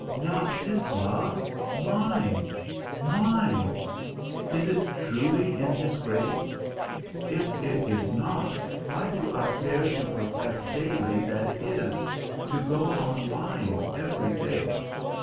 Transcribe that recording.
"Not his love mine, mine! Is it truly in his grave? If it is not, why do I dare to profess daily that it is, to go on lying every day?